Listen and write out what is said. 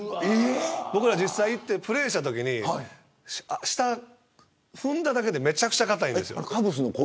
僕が実際行ってプレーしたとき下を踏んだだけでめちゃくちゃ固いんです。